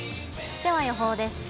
では予報です。